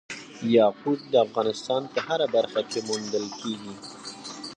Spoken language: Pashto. یاقوت د افغانستان په هره برخه کې موندل کېږي.